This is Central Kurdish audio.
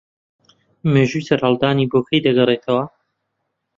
مێژووی سەرهەڵدانی بۆ کەی دەگەڕێتەوە